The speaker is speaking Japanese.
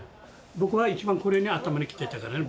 僕は一番これに頭にきてたからね。